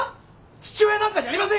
父親なんかじゃありませんよ。